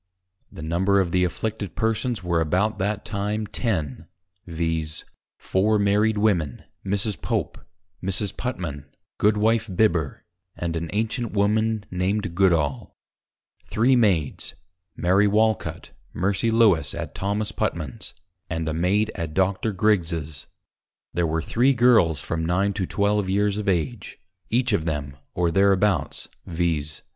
_ The Number of the Afflicted Persons were about that time Ten, viz. Four Married Women, Mrs. Pope, Mrs. Putman, Goodwife Bibber, and an Ancient Woman, named Goodall; three Maids, Mary Walcut, Mercy Lewes, at Thomas Putman's, and a Maid at Dr. Griggs's; there were three Girls from 9 to 12 Years of Age, each of them, or thereabouts, _viz.